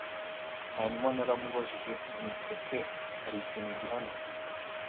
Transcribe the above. Hanyuma naramubajije nti Ese hari ikintu gihamye